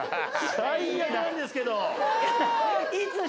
最悪なんですけど！